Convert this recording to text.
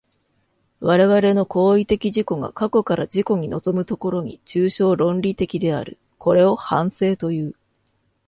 我々の行為的自己が過去から自己に臨む所に、抽象論理的である。これを反省という。